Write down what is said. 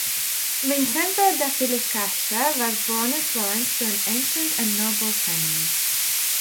Vincenzo da Filicaja was born in Florence to an ancient and noble family.